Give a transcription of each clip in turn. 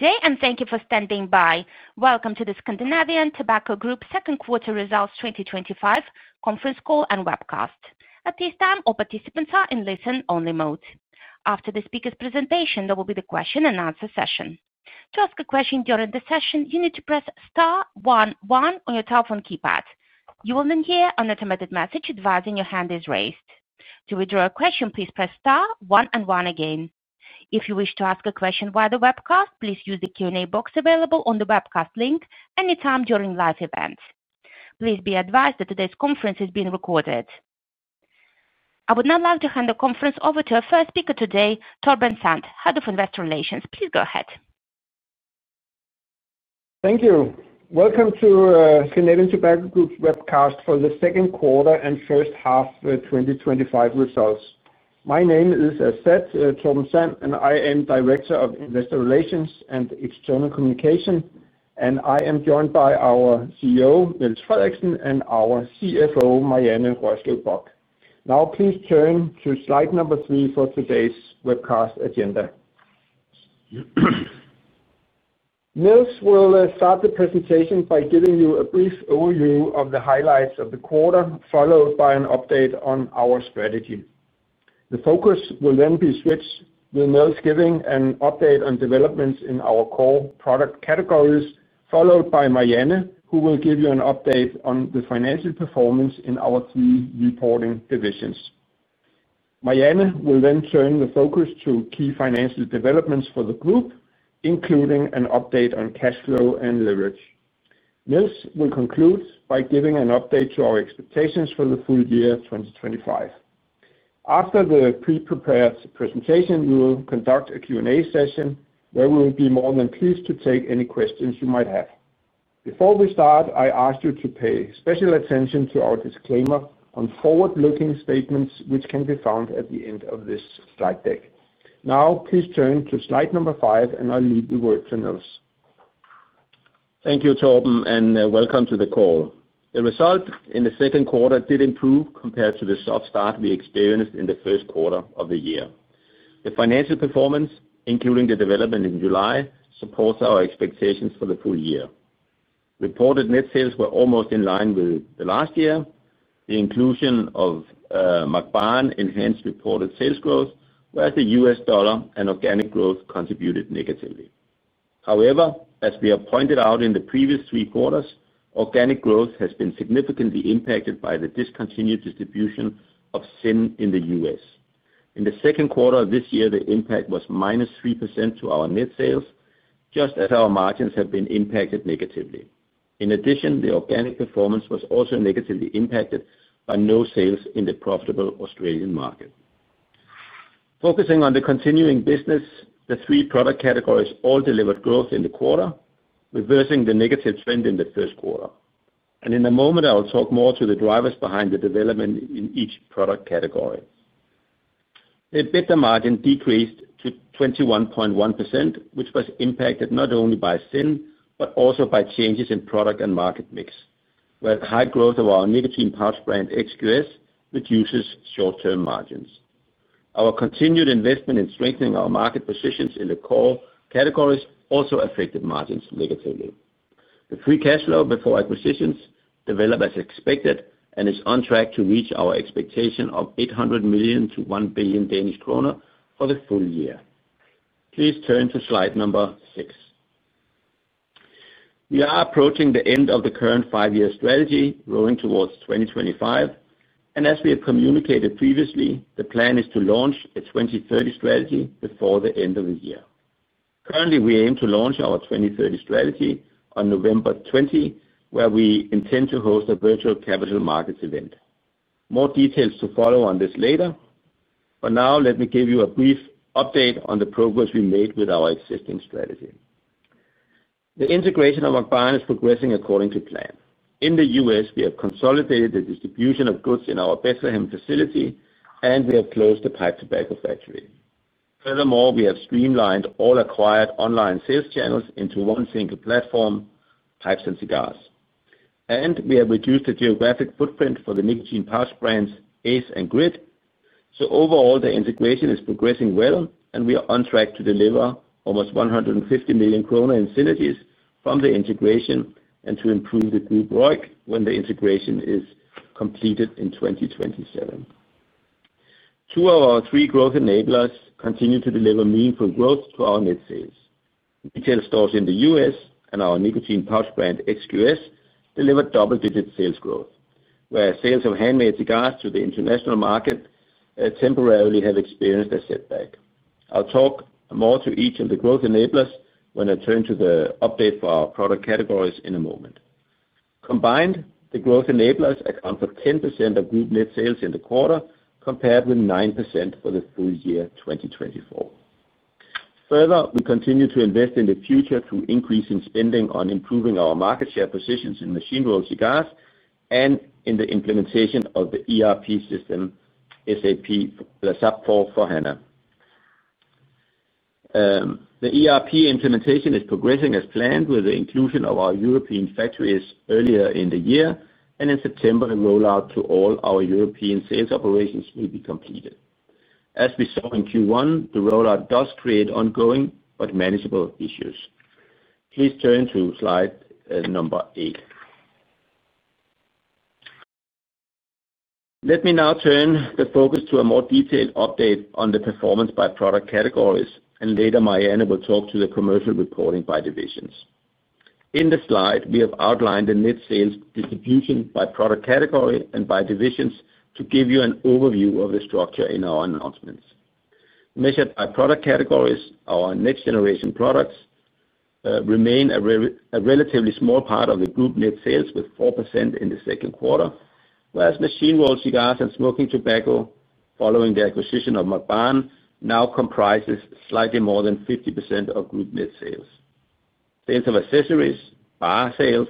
Today, and thank you for standing by. Welcome to the Scandinavian Tobacco Group Second Quarter Results 2025 Conference Call and Webcast. At this time, all participants are in listen-only mode. After the speaker's presentation, there will be the question and answer session. To ask a question during the session, you need to press *11 on your telephone keypad. You will then hear an automated message advising your hand is raised. To withdraw a question, please press *1 and 1 again. If you wish to ask a question via the webcast, please use the Q&A box available on the webcast link any time during live events. Please be advised that today's conference is being recorded. I would now like to hand the Conference over to our first speaker today, Torben Sand, Head of Investor Relations. Please go ahead. Thank you. Welcome to Scandinavian Tobacco Group's Webcast for the Second Quarter and First Half 2025 Results. My name is Torben Sand, and I am Director of Investor Relations and External Communication. I am joined by our CEO, Niels Frederiksen, and our CFO, Marianne Bock. Now, please turn to slide number three for today's webcast agenda. Niels will start the presentation by giving you a brief overview of the highlights of the Quarter, followed by an update on our strategy. The focus will then be switched with Niels giving an update on developments in our core product categories, followed by Marianne, who will give you an update on the financial performance in our three reporting divisions. Marianne will then turn the focus to key financial developments for the group, including an update on cash flow and leverage. Niels will conclude by giving an update to our expectations for the full year 2025. After the pre-prepared presentation, we will conduct a Q&A session where we will be more than pleased to take any questions you might have. Before we start, I ask you to pay special attention to our disclaimer on forward-looking statements, which can be found at the end of this slide deck. Now, please turn to slide number five, and I'll leave the word to Niels. Thank you, Torben, and welcome to the call. The result in the second quarter did improve compared to the soft start we experienced in the first quarter of the year. The financial performance, including the development in July, supports our expectations for the full year. Reported net sales were almost in line with last year. The inclusion of Mac Baren enhanced reported sales growth, whereas the U.S. dollar and organic growth contributed negatively. However, as we have pointed out in the previous three quarters, organic growth has been significantly impacted by the discontinued distribution of ZYN in the U.S. In the second quarter of this year, the impact was -3% to our net sales, just as our margins have been impacted negatively. In addition, the organic performance was also negatively impacted by no sales in the profitable Australian market. Focusing on the continuing business, the three product categories all delivered growth in the quarter, reversing the negative trend in the first quarter. In a moment, I will talk more to the drivers behind the development in each product category. The EBITDA margin decreased to 21.1%, which was impacted not only by ZYN, but also by changes in product and market mix, where the high growth of our nicotine pouch brand XQS reduces short-term margins. Our continued investment in strengthening our market positions in the core categories also affected margins negatively. The free cash flow before acquisitions developed as expected and is on track to reach our expectation of 800 million to 1 billion Danish kroner for the full year. Please turn to slide number six. We are approaching the end of the current five-year strategy, rolling towards 2025. As we have communicated previously, the plan is to launch a 2030 strategy before the end of the year. Currently, we aim to launch our 2030 strategy on November 20, where we intend to host a virtual capital markets event. More details to follow on this later. For now, let me give you a brief update on the progress we made with our existing strategy. The integration of Mac Baren is progressing according to plan. In the U.S., we have consolidated the distribution of goods in our Bethlehem facility, and we have closed the pipe tobacco factory. Furthermore, we have streamlined all acquired online sales channels into one single platform, Pipes and Cigars. We have reduced the geographic footprint for the nicotine pouch brands Ace and GRITT. Overall, the integration is progressing well, and we are on track to deliver almost 150 million krone in synergies from the integration and to improve the group ROIC when the integration is completed in 2027. Our three growth enablers continue to deliver meaningful growth to our net sales. Retail stores in the U.S. and our nicotine pouch brand XQS deliver double-digit sales growth, whereas sales of handmade cigars to the international market temporarily have experienced a setback. I'll talk more to each of the growth enablers when I turn to the update for our product categories in a moment. Combined, the growth enablers account for 10% of group net sales in the quarter, compared with 9% for the full year 2024. Further, we continue to invest in the future through increasing spending on improving our market share positions in machine-rolled cigars and in the implementation of the ERP system, SAP S/4HANA. The ERP implementation is progressing as planned with the inclusion of our European factories earlier in the year, and in September, the rollout to all our European sales operations will be completed. As we saw in Q1, the rollout does create ongoing but manageable issues. Please turn to slide number eight. Let me now turn the focus to a more detailed update on the performance by product categories, and later, Marianne will talk to the commercial reporting by divisions. In the slide, we have outlined the net sales distribution by product category and by divisions to give you an overview of the structure in our announcements. Measured by product categories, our next-generation products remain a relatively small part of the group net sales, with 4% in the second quarter, whereas machine-rolled cigars and smoking tobacco, following the acquisition of Mac Baren, now comprise slightly more than 50% of group net sales. Sales of accessories, bar sales,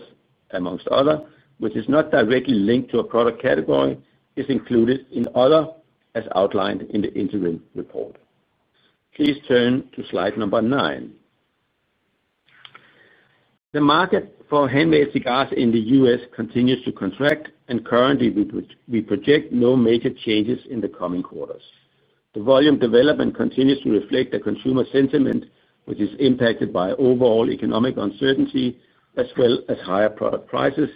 amongst others, which is not directly linked to a product category, is included in others, as outlined in the interim report. Please turn to slide number nine. The market for handmade cigars in the U.S. continues to contract, and currently, we project no major changes in the coming quarters. The volume development continues to reflect the consumer sentiment, which is impacted by overall economic uncertainty, as well as higher product prices,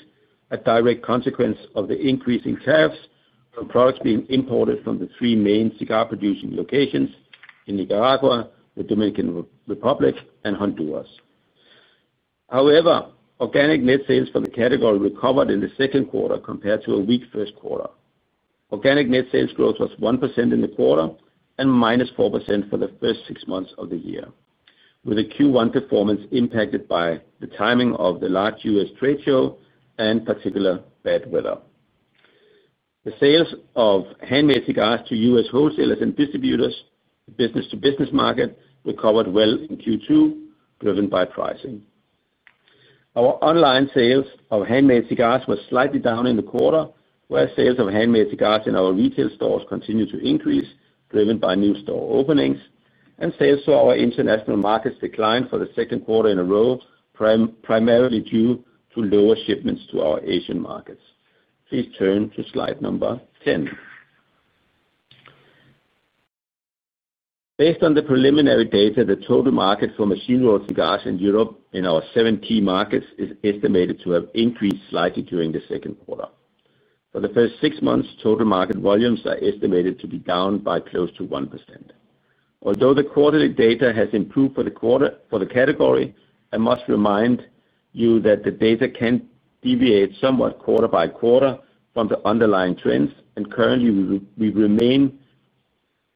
a direct consequence of the increasing tariffs on products being imported from the three main cigar-producing locations in Nicaragua, the Dominican Republic, and Honduras. However, organic net sales for the category recovered in the second quarter compared to a week first quarter. Organic net sales growth was 1% in the quarter and -4% for the first six months of the year, with the Q1 performance impacted by the timing of the large U.S. trade show and particularly bad weather. The sales of handmade cigars to U.S. wholesalers and distributors, the business-to-business market, recovered well in Q2, driven by pricing. Our online sales of handmade cigars were slightly down in the quarter, while sales of handmade cigars in our retail stores continue to increase, driven by new store openings, and sales to our international markets declined for the second quarter in a row, primarily due to lower shipments to our Asian markets. Please turn to slide number 10. Based on the preliminary data, the total market for machine-rolled cigars in Europe in our seven key markets is estimated to have increased slightly during the second quarter. For the first six months, total market volumes are estimated to be down by close to 1%. Although the quarterly data has improved for the quarter for the category, I must remind you that the data can deviate somewhat quarter by quarter from the underlying trends, and currently, we remain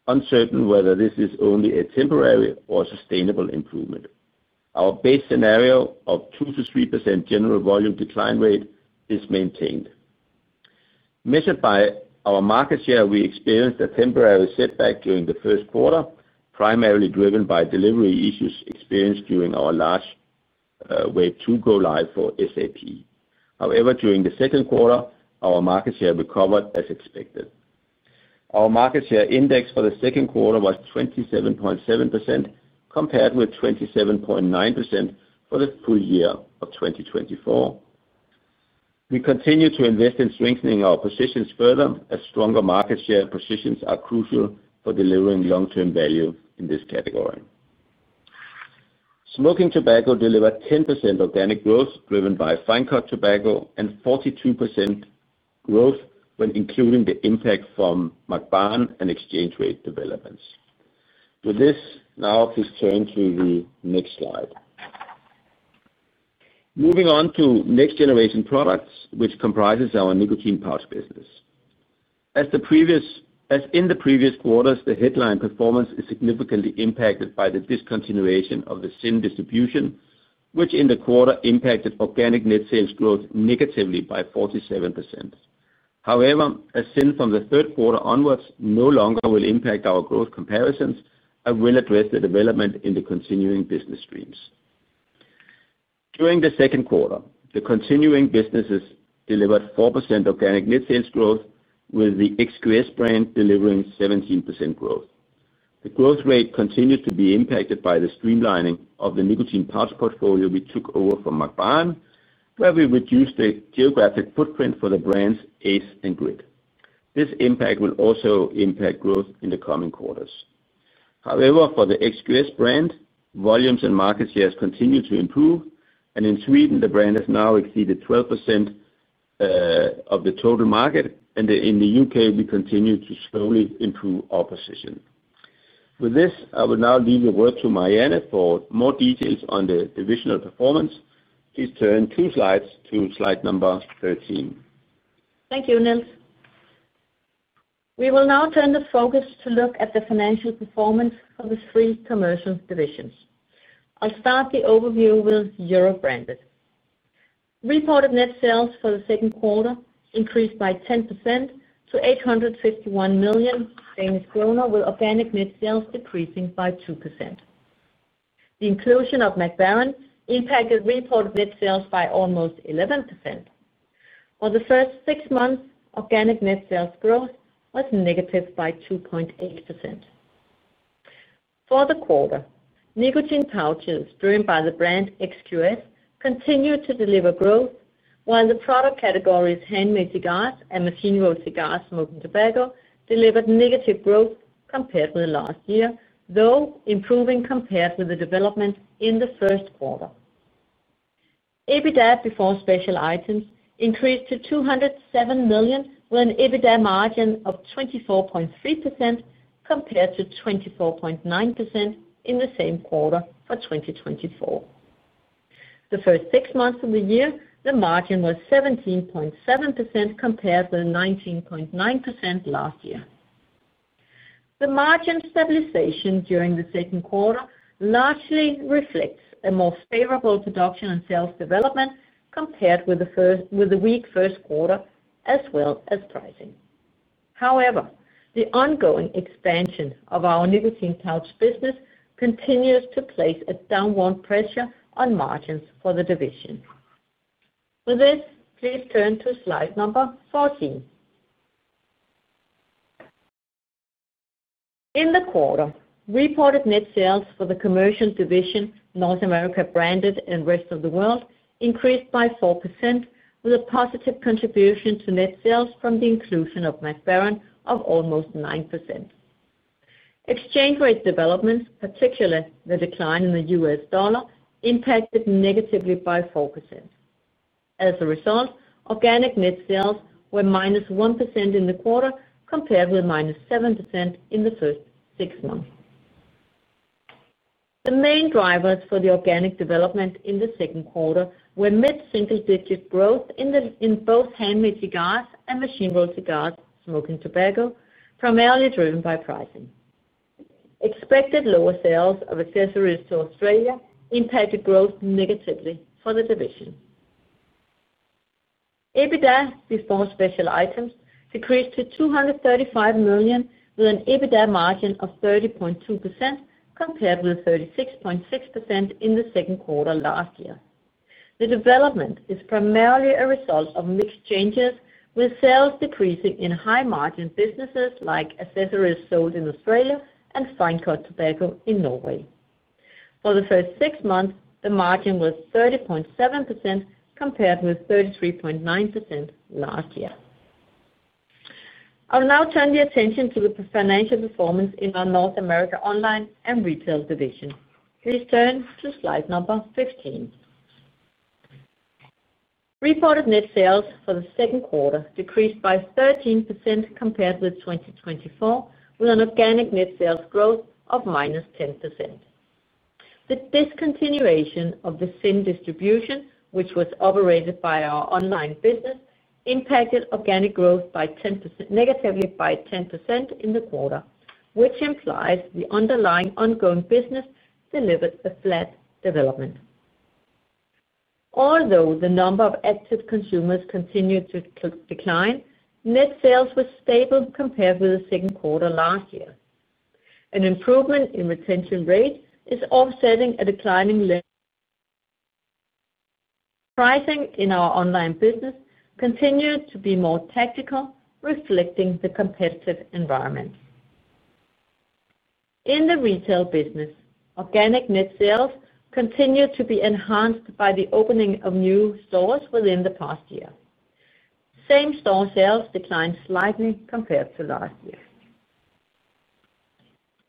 uncertain whether this is only a temporary or sustainable improvement. Our base scenario of 2%-3% general volume decline rate is maintained. Measured by our market share, we experienced a temporary setback during the first quarter, primarily driven by delivery issues experienced during our large wave two go-live for SAP. However, during the second quarter, our market share recovered as expected. Our market share index for the second quarter was 27.7%, compared with 27.9% for the full year of 2024. We continue to invest in strengthening our positions further, as stronger market share positions are crucial for delivering long-term value in this category. Smoking tobacco delivered 10% organic growth, driven by fine-cut tobacco, and 42% growth when including the impact from Mac Baren and exchange rate developments. With this, now please turn to the next slide. Moving on to next-generation products, which comprises our nicotine pouch business. As in the previous quarters, the headline performance is significantly impacted by the discontinuation of the ZYN distribution, which in the quarter impacted organic net sales growth negatively by 47%. However, as seen from the third quarter onwards, no longer will impact our growth comparisons. I will address the development in the continuing business streams. During the second quarter, the continuing businesses delivered 4% organic net sales growth, with the XQS brand delivering 17% growth. The growth rate continued to be impacted by the streamlining of the nicotine pouch portfolio we took over from Mac Baren, where we reduced the geographic footprint for the brands Ace and GRITT. This impact will also impact growth in the coming quarters. However, for the XQS brand, volumes and market shares continue to improve, and in Sweden, the brand has now exceeded 12% of the total market, and in the U.K., we continue to slowly improve our position. With this, I will now leave the word to Marianne for more details on the divisional performance. Please turn two slides to slide number 13. Thank you, Niels. We will now turn the focus to look at the financial performance of the three commercial divisions. I'll start the overview with Eurobranded. Reported net sales for the second quarter increased by 10% to 851 million, with organic net sales decreasing by 2%. The inclusion of Mac Baren impacted reported net sales by almost 11%. For the first six months, organic net sales growth was negative by 2.8%. For the quarter, nicotine pouches driven by the brand XQS continue to deliver growth, while the product categories handmade cigars and machine-rolled cigars and smoking tobacco delivered negative growth compared with last year, though improving compared with the development in the first quarter. EBITDA before special items increased to 207 million, with an EBITDA margin of 24.3% compared to 24.9% in the same quarter for 2024. For the first six months of the year, the margin was 17.7% compared with 19.9% last year. The margin stabilization during the second quarter largely reflects a more favorable production and sales development compared with the weak first quarter, as well as pricing. However, the ongoing expansion of our nicotine pouch business continues to place a downward pressure on margins for the division. With this, please turn to slide number 14. In the quarter, reported net sales for the commercial division North America Branded and Rest of the World increased by 4%, with a positive contribution to net sales from the inclusion of Mac Baren of almost 9%. Exchange rate developments, particularly the decline in the U.S. dollar, impacted negatively by 4%. As a result, organic net sales were -1% in the quarter compared with -7% in the first six months. The main drivers for the organic development in the second quarter were mid-single-digit growth in both handmade cigars and machine-rolled cigars and smoking tobacco, primarily driven by pricing. Expected lower sales of accessories to Australia impacted growth negatively for the division. EBITDA before special items decreased to 235 million, with an EBITDA margin of 30.2% compared with 36.6% in the second quarter last year. The development is primarily a result of mix changes, with sales decreasing in high-margin businesses like accessories sold in Australia and fine-cut tobacco in Norway. For the first six months, the margin was 30.7% compared with 33.9% last year. I will now turn the attention to the financial performance in our North America Online and Retail division. Please turn to slide number 15. Reported net sales for the second quarter decreased by 13% compared with 2024, with an organic net sales growth of minus 10%. The discontinuation of the ZYN distribution, which was operated by our online business, impacted organic growth negatively by 10% in the quarter, which implies the underlying ongoing business delivered a flat development. Although the number of active consumers continued to decline, net sales were stable compared with the second quarter last year. An improvement in retention rate is offsetting a declining level. Pricing in our online business continued to be more tactical, reflecting the competitive environment. In the retail business, organic net sales continued to be enhanced by the opening of new stores within the past year. Same-store sales declined slightly compared to last year.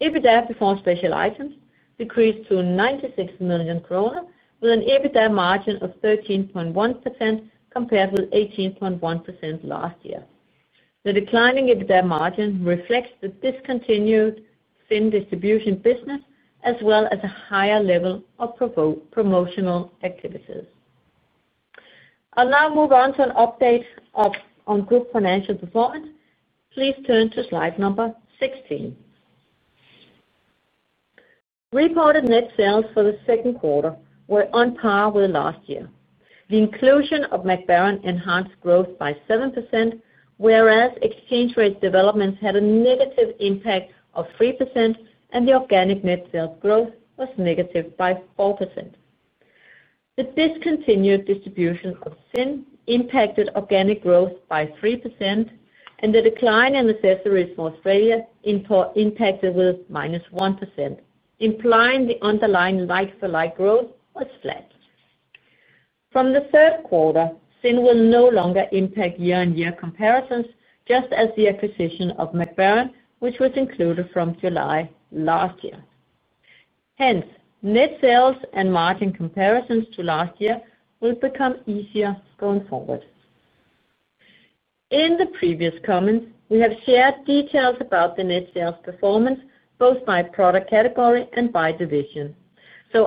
EBITDA before special items decreased to 96 million kroner, with an EBITDA margin of 13.1% compared with 18.1% last year. The declining EBITDA margin reflects the discontinued ZYN distribution business, as well as a higher level of promotional activities. I'll now move on to an update on group financial performance. Please turn to slide number 16. Reported net sales for the second quarter were on par with last year. The inclusion of Mac Baren enhanced growth by 7%, whereas exchange rate developments had a negative impact of 3%, and the organic net sales growth was negative by 4%. The discontinued distribution of ZYN impacted organic growth by 3%, and the decline in accessories from Australia impacted with -1%, implying the underlying like-for-like growth was flat. From the third quarter, ZYN will no longer impact year-on-year comparisons, just as the acquisition of Mac Baren, which was included from July last year. Hence, net sales and margin comparisons to last year will become easier going forward. In the previous comments, we have shared details about the net sales performance, both by product category and by division.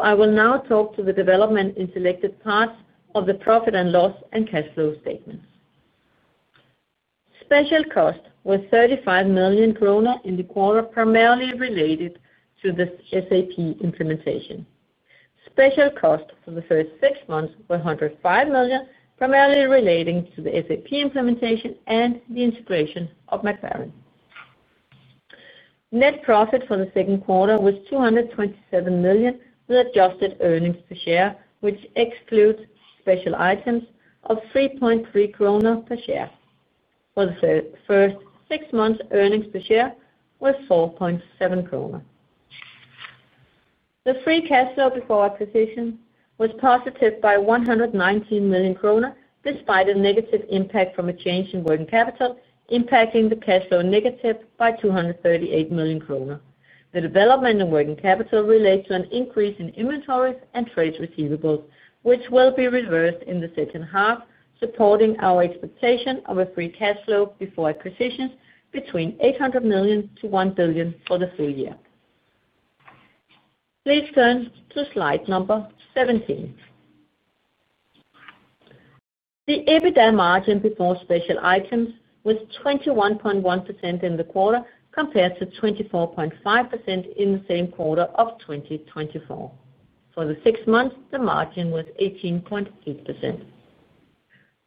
I will now talk to the development in selected parts of the profit and loss and cash flow statements. Special costs were 35 million kroner in the quarter, primarily related to the SAP implementation. Special costs for the first six months were 105 million, primarily relating to the SAP implementation and the integration of Mac Baren. Net profit for the second quarter was 227 million with adjusted earnings per share, which excludes special items, of 3.3 krone per share. For the first six months, earnings per share were 4.7 krone. The free cash flow before acquisition was positive by 119 million, despite a negative impact from a change in working capital, impacting the cash flow negative by 238 million kroner. The development in working capital relates to an increase in inventories and trade receivables, which will be reversed in the second half, supporting our expectation of a free cash flow before acquisitions between 800 million to 1 billion for the full year. Please turn to slide number 17. The EBITDA margin before special items was 21.1% in the quarter compared to 24.5% in the same quarter of 2024. For the six months, the margin was 18.8%.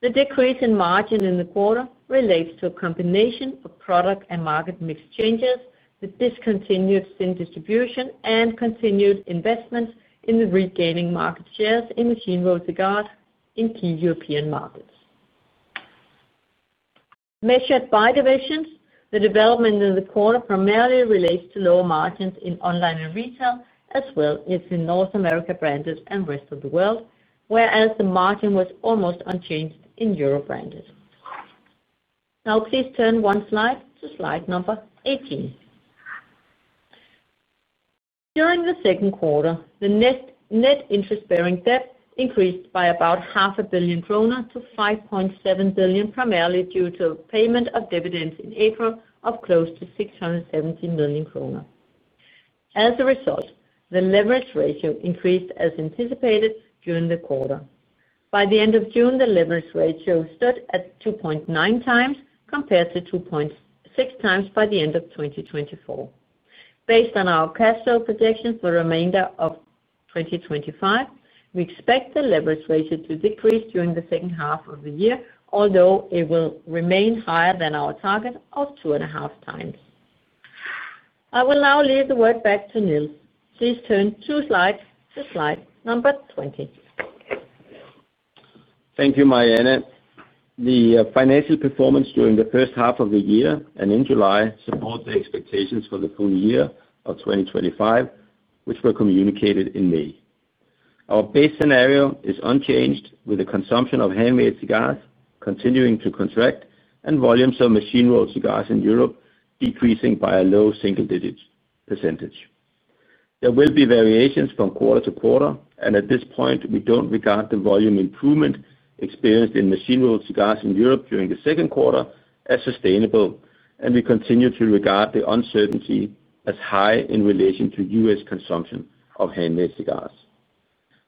The decrease in margin in the quarter relates to a combination of product and market mix changes, the discontinued ZYN distribution, and continued investments in regaining market shares in machine-rolled cigars in key European markets. Measured by divisions, the development in the quarter primarily relates to lower margins in online and retail, as well as in North America Branded and Rest of the World, whereas the margin was almost unchanged in Europe Branded. Now, please turn one slide to slide number 18. During the second quarter, the net interest-bearing debt increased by about 500 million-5.7 billion krone, primarily due to payment of dividends in April of close to 670 million krone. As a result, the leverage ratio increased as anticipated during the quarter. By the end of June, the leverage ratio stood at 2.9X compared to 2.6X by the end of 2024. Based on our cash flow projections for the remainder of 2025, we expect the leverage ratio to decrease during the second half of the year, although it will remain higher than our target of 2.5X. I will now leave the word back to Niels. Please turn two slides to slide number 20. Thank you, Marianne. The financial performance during the first half of the year and in July supports the expectations for the full year of 2025, which were communicated in May. Our base scenario is unchanged, with the consumption of handmade cigars continuing to contract and volumes of machine-rolled cigars in Europe decreasing by a low single-digit percentage. There will be variations from quarter to quarter, and at this point, we don't regard the volume improvement experienced in machine-rolled cigars in Europe during the second quarter as sustainable, and we continue to regard the uncertainty as high in relation to U.S. consumption of handmade cigars.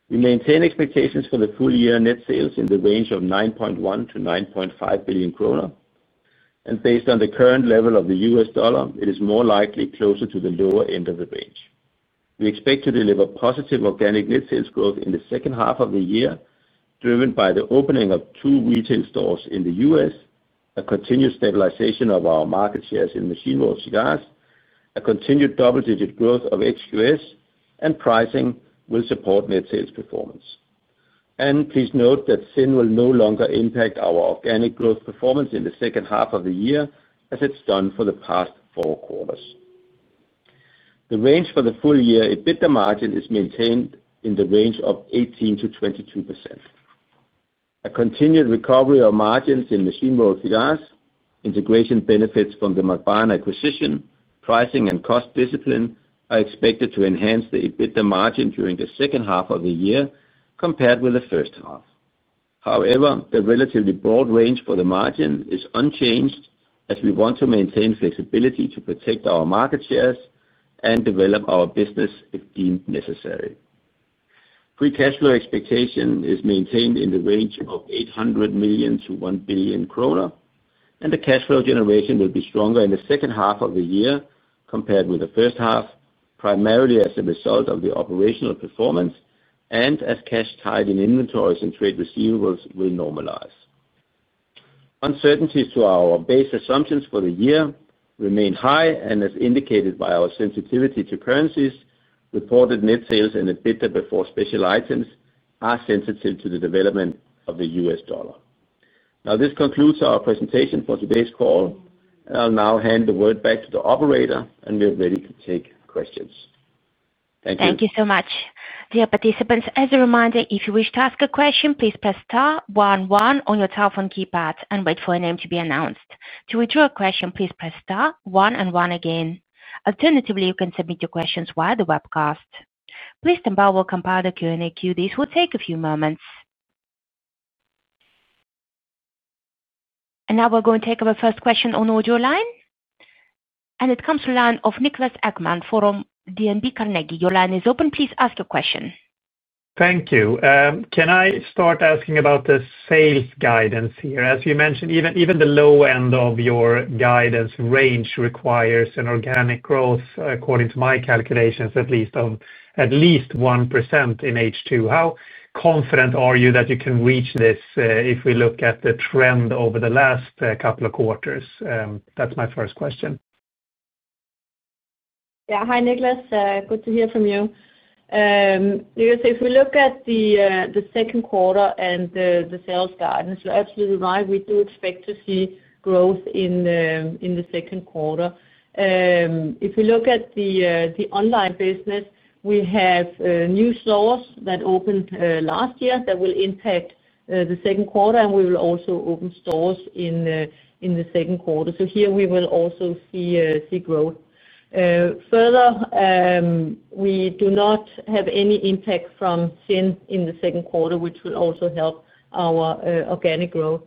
We maintain expectations for the full year net sales in the range of 9.1 billion- 9.5 billion kroner, and based on the current level of the U.S. dollar, it is more likely closer to the lower end of the range. We expect to deliver positive organic net sales growth in the second half of the year, driven by the opening of two retail stores in the U.S., a continued stabilization of our market shares in machine-rolled cigars, a continued double-digit growth of XQS, and pricing will support net sales performance. Please note that ZYN will no longer impact our organic growth performance in the second half of the year as it's done for the past four quarters. The range for the full year EBITDA margin is maintained in the range of 18%-22%. A continued recovery of margins in machine-rolled cigars, integration benefits from the Mac Baren acquisition, pricing, and cost discipline are expected to enhance the EBITDA margin during the second half of the year compared with the first half. However, the relatively broad range for the margin is unchanged as we want to maintain flexibility to protect our market shares and develop our business if deemed necessary. Free cash flow expectation is maintained in the range of 800 million to 1 billion krone, and the cash flow generation will be stronger in the second half of the year compared with the first half, primarily as a result of the operational performance and as cash tied in inventories and trade receivables will normalize. Uncertainties to our base assumptions for the year remain high, and as indicated by our sensitivity to currencies, reported net sales and EBITDA before special items are sensitive to the development of the U.S. dollar. This concludes our presentation for today's call. I'll now hand the word back to the operator, and we're ready to take questions. Thank you. Thank you so much. Dear participants, as a reminder, if you wish to ask a question, please press *11 on your telephone keypad and wait for your name to be announced. To withdraw a question, please press *1 and 1 again. Alternatively, you can submit your questions via the webcast. [Liz Tambow] will compile the Q&A queue. This will take a few moments. We are going to take our first question on our line. It comes from the line of Niklas Ekman from DNB Carnegie. Your line is open. Please ask your question. Thank you. Can I start asking about the sales guidance here? As you mentioned, even the low end of your guidance range requires an organic growth, according to my calculations, of at least 1% in H2. How confident are you that you can reach this if we look at the trend over the last couple of quarters? That's my first question. Yeah. Hi, Niklas. Good to hear from you. Niklas, if we look at the second quarter and the sales guidance, you're absolutely right. We do expect to see growth in the second quarter. If we look at the online business, we have new stores that opened last year that will impact the second quarter, and we will also open stores in the second quarter. Here, we will also see growth. Further, we do not have any impact from ZYN in the second quarter, which will also help our organic growth.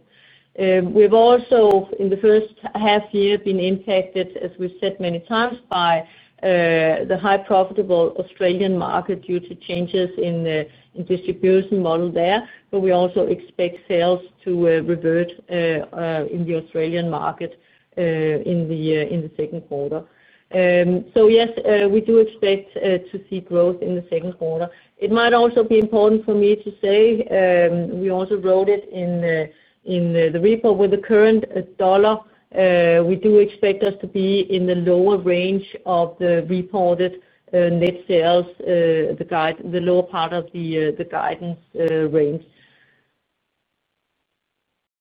We've also, in the first half year, been impacted, as we've said many times, by the high-profitable Australian market due to changes in the distribution model there, but we also expect sales to revert in the Australian market in the second quarter. Yes, we do expect to see growth in the second quarter. It might also be important for me to say, we also wrote it in the report with the current dollar. We do expect us to be in the lower range of the reported net sales, the lower part of the guidance range.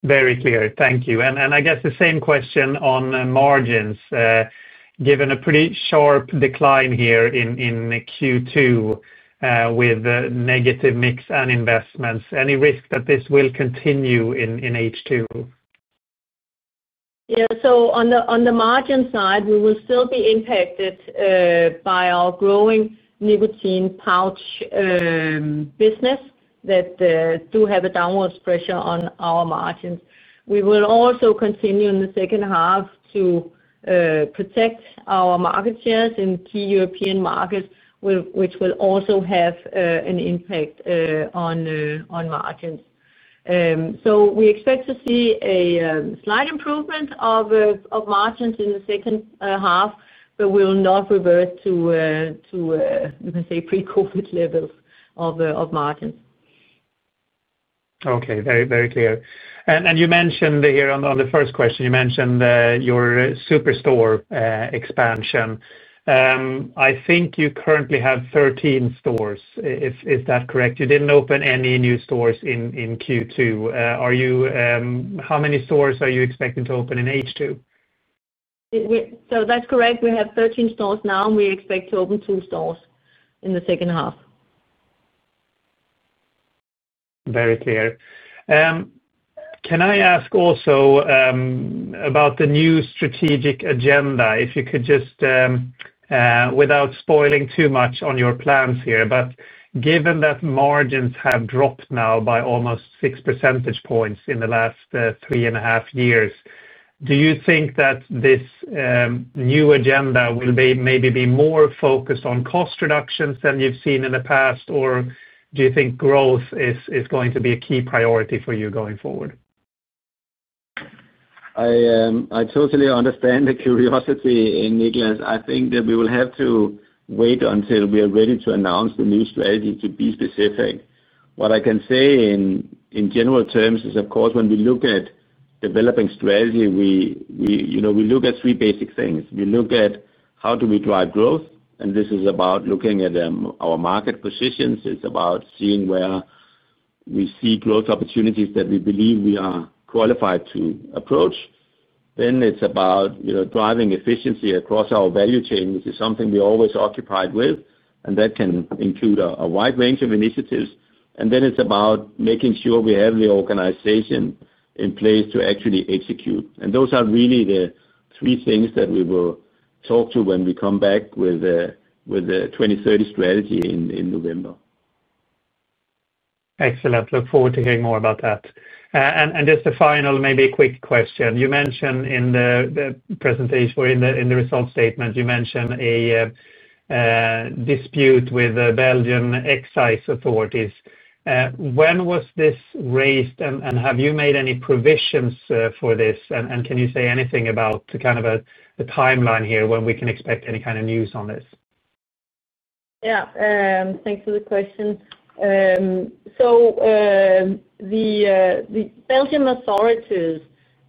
Very clear. Thank you. I guess the same question on margins, given a pretty sharp decline here in Q2 with negative mix and investments. Any risk that this will continue in H2? Yeah. On the margin side, we will still be impacted by our growing nicotine pouch business that does have a downward pressure on our margins. We will also continue in the second half to protect our market shares in key European markets, which will also have animpact on margins. We expect to see a slight improvement of margins in the second half, but we'll not revert to, you can say, pre-COVID levels of margins. Okay. Very, very clear. You mentioned here on the first question, you mentioned your superstore expansion. I think you currently have 13 stores. Is that correct? You didn't open any new stores in Q2. How many stores are you expecting to open in H2? That's correct. We have 13 stores now, and we expect to open two stores in the second half. Very clear. Can I ask also about the new strategic agenda, if you could just, without spoiling too much on your plans here? Given that margins have dropped now by almost 6% in the last three and a half years, do you think that this new agenda will maybe be more focused on cost reductions than you've seen in the past, or do you think growth is going to be a key priority for you going forward? I totally understand the curiosity, Niklas. I think that we will have to wait until we are ready to announce the new strategy to be specific. What I can say in general terms is, of course, when we look at developing strategy, we look at three basic things. We look at how do we drive growth, and this is about looking at our market positions. It's about seeing where we see growth opportunities that we believe we are qualified to approach. It is about driving efficiency across our value chain, which is something we're always occupied with, and that can include a wide range of initiatives. It is about making sure we have the organization in place to actually execute. Those are really the three things that we will talk to when we come back with the 2030 strategy in November. Excellent. I look forward to hearing more about that. Just a final, maybe a quick question. You mentioned in the presentation or in the results statement, you mentioned a dispute with the Belgian excise authorities. When was this raised, and have you made any provisions for this, and can you say anything about the kind of a timeline here when we can expect any kind of news on this? Yeah. Thanks for the question. The Belgian authorities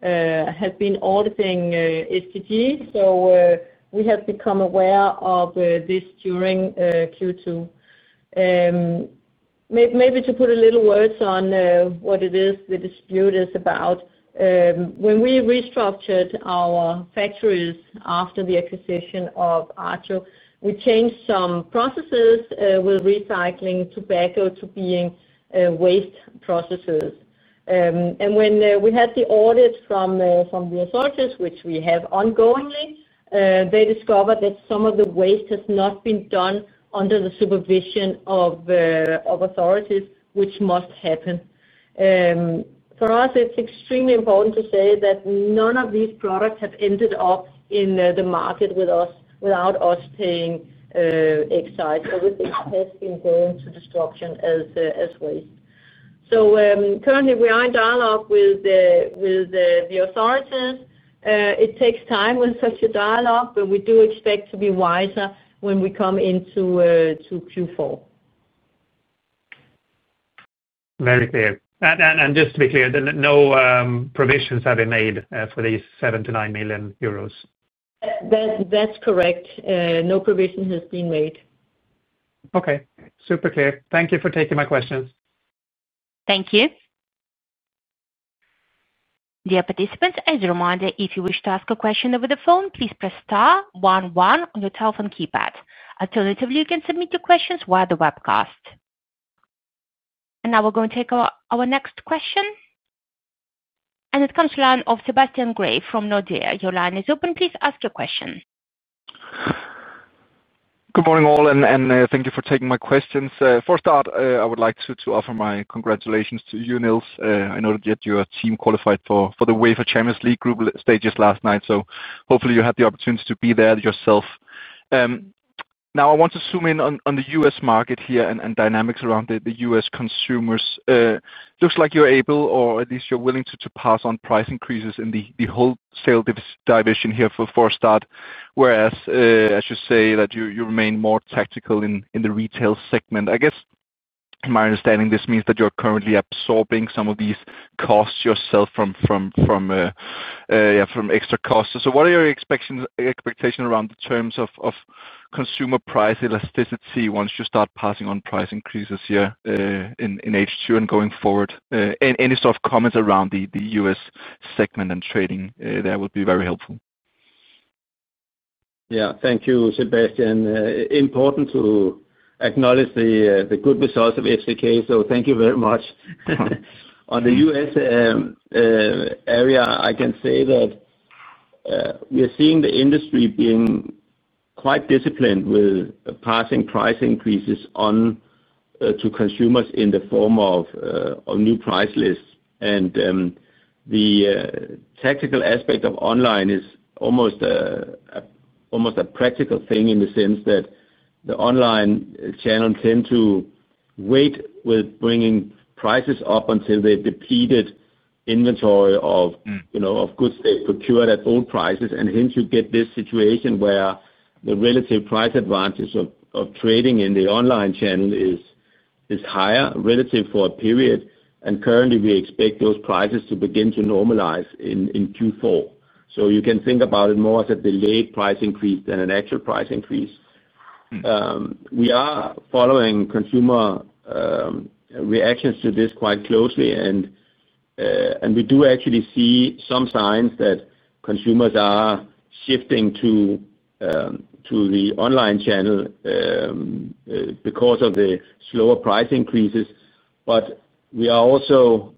have been auditing STG, so we have become aware of this during Q2. Maybe to put a little word on what the dispute is about, when we restructured our factories after the acquisition of ATO, we changed some processes with recycling tobacco to being waste processes. When we had the audit from the authorities, which we have ongoingly, they discovered that some of the waste has not been done under the supervision of authorities, which must happen. For us, it's extremely important to say that none of these products have ended up in the market without us paying excise. Everything has been going to destruction as waste. Currently, we are in dialogue with the authorities. It takes time with such a dialogue, but we do expect to be wiser when we come into Q4. Very clear. Just to be clear, then no provisions have been made for these 7 million-9 million euros? That's correct. No provision has been made. Okay. Super clear. Thank you for taking my questions. Thank you. Dear participants, as a reminder, if you wish to ask a question over the phone, please press *11 on your telephone keypad. Alternatively, you can submit your questions via the webcast. We are going to take our next question. It comes to the line of Sebastian Gray from Nordea. Your line is open. Please ask your question. Good morning all, and thank you for taking my questions. For a start, I would like to offer my congratulations to you, Niels. I know that you had your team qualified for the UEFA Champions League group stages last night, so hopefully, you had the opportunity to be there yourself. Now, I want to zoom in on the U.S. market here and dynamics around the U.S. consumers. Looks like you're able, or at least you're willing, to pass on price increases in the wholesale division here for a start, whereas, as you say, you remain more tactical in the retail segment. I guess, in my understanding, this means that you're currently absorbing some of these costs yourself from extra costs. What are your expectations around the terms of consumer price elasticity once you start passing on price increases here in H2 and going forward? Any sort of comments around the U.S. segment and trading there would be very helpful. Yeah. Thank you, Sebastian. Important to acknowledge the good results of Scandinavian Tobacco Group, so thank you very much. On the U.S. area, I can say that we are seeing the industry being quite disciplined with passing price increases on to consumers in the form of new price lists. The tactical aspect of online is almost a practical thing in the sense that the online channels tend to wait with bringing prices up until they've depleted inventory of goods they've procured at old prices. Hence, you get this situation where the relative price advantage of trading in the online channel is higher relative for a period. Currently, we expect those prices to begin to normalize in Q4. You can think about it more as a delayed price increase than an actual price increase. We are following consumer reactions to this quite closely, and we do actually see some signs that consumers are shifting to the online channel because of the slower price increases. We are also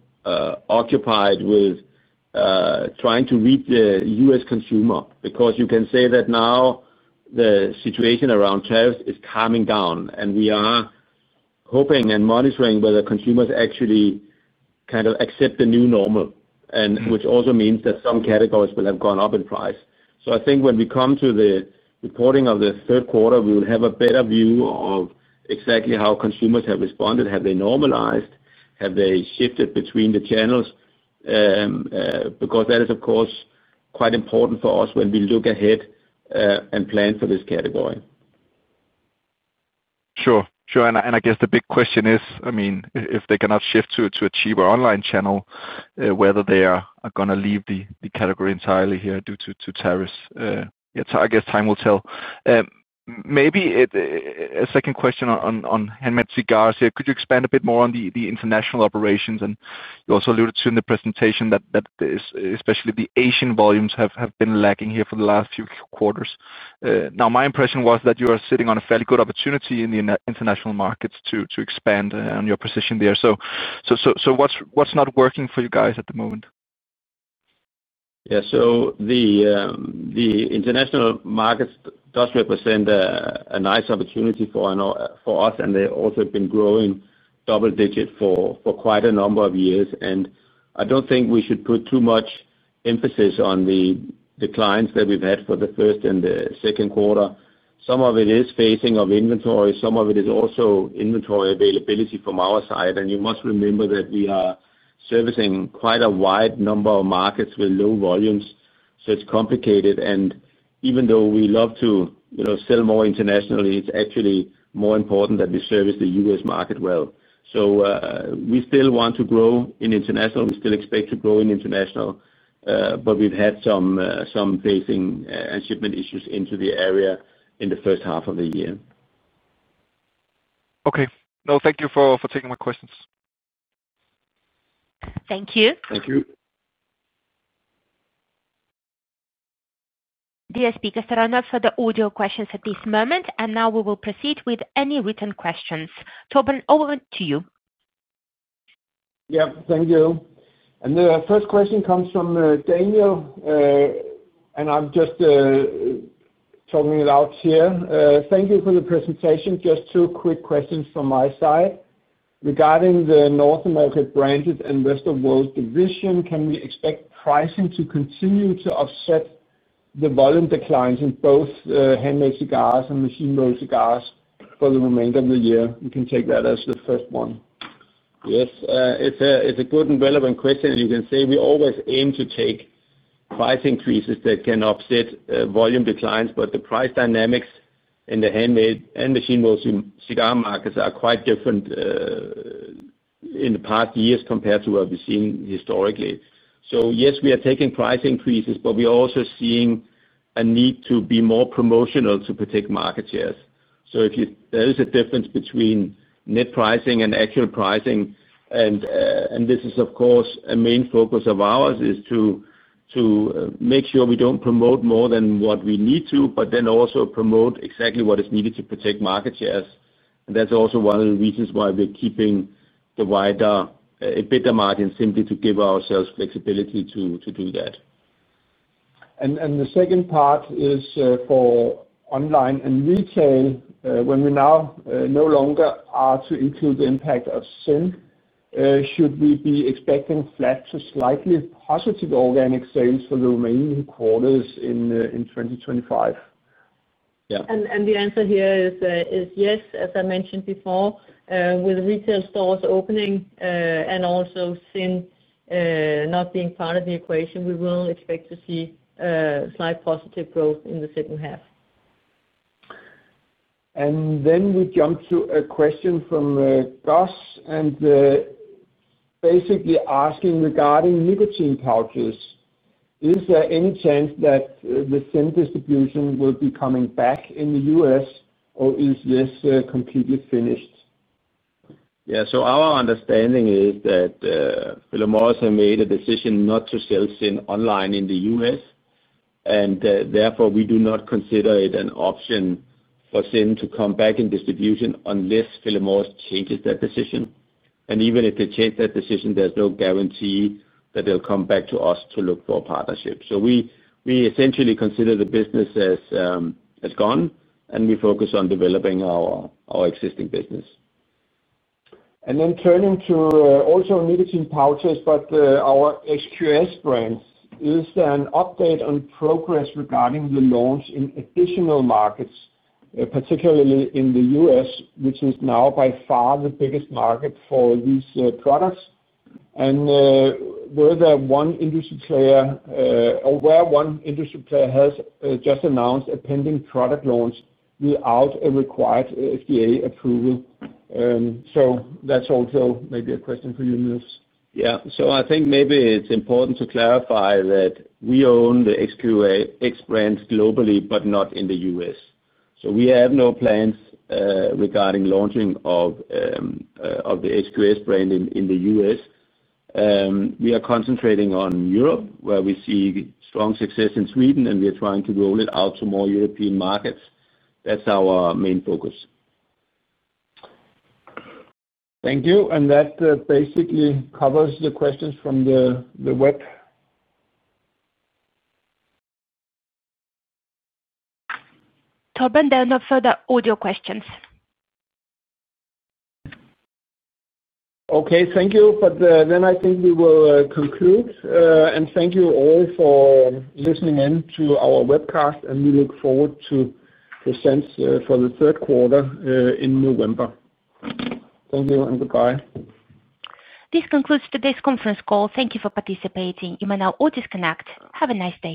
occupied with trying to read the U.S. consumer because you can say that now the situation around health is calming down, and we are hoping and monitoring whether consumers actually kind of accept the new normal, which also means that some categories will have gone up in price. I think when we come to the reporting of the third quarter, we will have a better view of exactly how consumers have responded. Have they normalized? Have they shifted between the channels? That is, of course, quite important for us when we look ahead and plan for this category. Sure. I guess the big question is, if they cannot shift to a cheaper online channel, whether they are going to leave the category entirely here due to tariffs. Time will tell. Maybe a second question on handmade cigars. Could you expand a bit more on the international operations? You also alluded to in the presentation that especially the Asian volumes have been lagging for the last few quarters. My impression was that you are sitting on a fairly good opportunity in the international markets to expand on your position there. What's not working for you guys at the moment? The international markets does represent a nice opportunity for us, and they also have been growing double-digit for quite a number of years. I don't think we should put too much emphasis on the declines that we've had for the first and the second quarter. Some of it is phasing of inventory, and some of it is also inventory availability from our side. You must remember that we are servicing quite a wide number of markets with low volumes, so it's complicated. Even though we love to sell more internationally, it's actually more important that we service the U.S. market well. We still want to grow in international. We still expect to grow in international, but we've had some phasing and shipment issues into the area in the first half of the year. Okay, no, thank you for taking my questions. Thank you. Thank you. Dear speakers, there are no further audio questions at this moment, and now we will proceed with any written questions. Torben, over to you. Thank you. The first question comes from Daniel. Thank you for the presentation. Just two quick questions from my side. Regarding the North American Branded and Rest of the World division, can we expect pricing to continue to offset the volume declines in both handmade cigars and machine-rolled cigars for the remainder of the year? You can take that as the first one. Yes. It's a good and relevant question. You can say we always aim to take price increases that can offset volume declines, but the price dynamics in the handmade and machine-rolled cigar markets are quite different in the past years compared to what we've seen historically. Yes, we are taking price increases, but we are also seeing a need to be more promotional to protect market shares. If there is a difference between net pricing and actual pricing, this is, of course, a main focus of ours to make sure we don't promote more than what we need to, but also promote exactly what is needed to protect market shares. That's also one of the reasons why we're keeping the wider EBITDA margin, simply to give ourselves flexibility to do that. The second part is for online and retail. When we now no longer are to include the impact of ZYN, should we be expecting flat to slightly positive organic sales for the remaining quarters in 2025? Yeah. The answer here is yes. As I mentioned before, with retail stores opening and also ZYN not being part of the equation, we will expect to see slight positive growth in the second half. We jump to a question from Gus, basically asking regarding nicotine pouches. Is there any chance that the ZYN distribution will be coming back in the U.S., or is this completely finished? Our understanding is that Philip Morris has made a decision not to sell ZYN online in the U.S., and therefore, we do not consider it an option for ZYN to come back in distribution unless Philip Morris changes that decision. Even if they change that decision, there's no guarantee that they'll come back to us to look for a partnership. We essentially consider the business as gone, and we focus on developing our existing business. Turning to also nicotine pouches, our XQS brands, is there an update on progress regarding the launch in additional markets, particularly in the U.S., which is now by far the biggest market for these products? Where one industry player has just announced a pending product launch without a required FDA approval, that's also maybe a question for you, Niels. I think maybe it's important to clarify that we own the XQS brands globally, but not in the U.S. We have no plans regarding launching of the XQS brand in the U.S. We are concentrating on Europe, where we see strong success in Sweden, and we are trying to roll it out to more European markets. That's our main focus. Thank you. That basically covers the questions from the web. Torben, there are no further audio questions. Okay. Thank you. I think we will conclude. Thank you all for listening in to our webcast, and we look forward to the results for the third quarter in November. Thank you and goodbye. This concludes today's Conference Call. Thank you for participating. You may now all disconnect. Have a nice day.